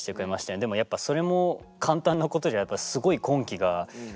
でもやっぱそれも簡単なことじゃやっぱすごい根気がすごい必要。